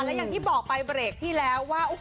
และอย่างที่บอกไปเบรกที่แล้วว่า